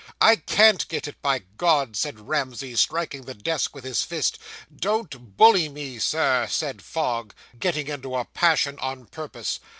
"I can't get it, by God!" said Ramsey, striking the desk with his fist. "Don't bully me, sir," said Fogg, getting into a passion on purpose.